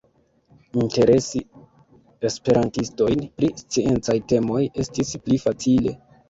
Interesi esperantistojn pri sciencaj temoj estis pli facile.